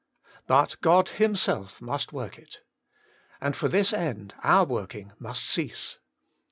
But God Himself must work it. And for this end our working must cease.